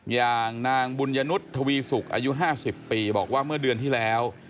อย่างนางบุญยนุษย์ทวีสุกอายุ๕๐ปีบอกว่าเมื่อเดือนที่แล้ว